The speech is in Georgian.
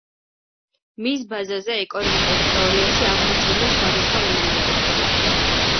მის ბაზაზე ეკონომიკურ თეორიაში აღმოცენდა სხვადასხვა მიმდინარეობა.